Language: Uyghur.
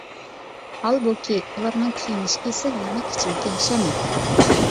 ھالبۇكى، ئۇلارنىڭ كىيىنىشى ئېسىل، يېمەك ـ ئىچمىكى ھەشەمەتلىك.